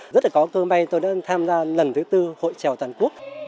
rất là có cơ may tôi đã tham gia lần thứ tư hội trèo toàn quốc